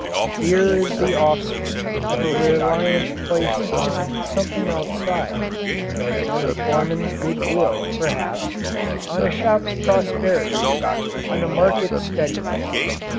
Fear is the offspring of a reliance placed on something outside on a foreman's good will, perhaps, on a shop's prosperity, on a market's steadiness.